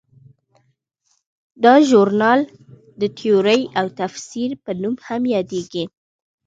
دا ژورنال د تیورۍ او تفسیر په نوم هم یادیږي.